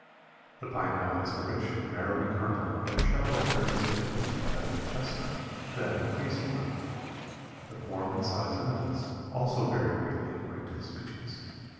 The pine nut has a rich, marrowy kernel in a shell that varies in thickness from that of a chestnut to that of a hazel nut. The form and size of the nuts also vary greatly according to the species.